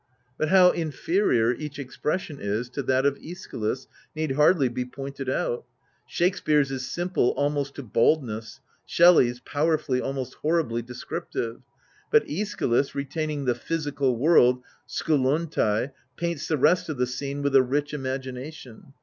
But how inferior each expression is to that of i£schylus, need hardly be pointed out. Shakespeare's is simple almost to baldness: Shelley's, powerfully, almost horribly, descriptive ; but iEschylus, retaining the physical word (o KvAA ovrat), paints the rest of the scene with a rich imagination.